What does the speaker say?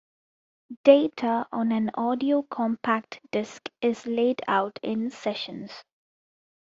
Data on an audio compact disc is laid out in sessions.